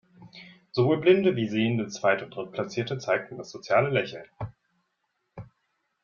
Sowohl blinde wie sehende Zweit- und Drittplatzierte zeigten das soziale Lächeln.